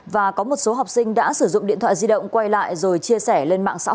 và có một số học sinh đã sử dụng điện thoại di động quay lại rồi chia sẻ lên mạng xã hội